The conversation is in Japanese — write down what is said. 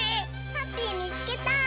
ハッピーみつけた！